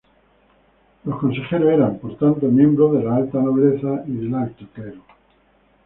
Los consejeros eran, por tanto, miembros de la alta nobleza y del alto clero.